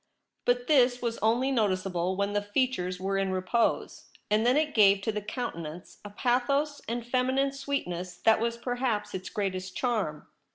But this was only noticeable when the features were in repose, and then it gave to the coun tenance a pathos and feminine sweetness that was perhaps its greatest charm.